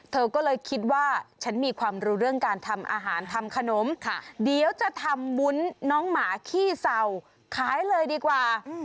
เธอก็เลยคิดว่าฉันมีความรู้เรื่องการทำอาหารทำขนมเดี๋ยวจะทำวุ้นน้องหมาขี้เศร้าขายเลยดีกว่า